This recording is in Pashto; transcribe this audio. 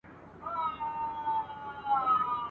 موږ به بیا هغه یاران یو د سروګلو به غونډۍ وي !.